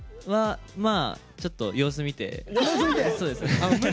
ちょっと様子見て。